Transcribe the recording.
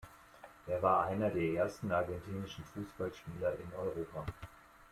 Er war einer der ersten argentinischen Fußballspieler in Europa.